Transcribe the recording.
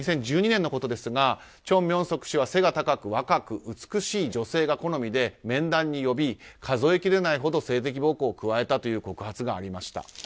２０１２年のことですがチョン・ミョンソク氏は背が高く若く美しい女性が好みで面談に呼び、数えきれないほど性的暴行を加えたという告発がありました。